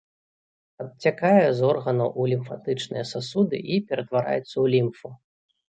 Адцякае з органаў у лімфатычныя сасуды і ператвараецца ў лімфу.